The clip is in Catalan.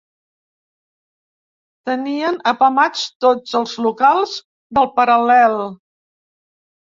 Tenien apamats tots els locals del Paral·lel.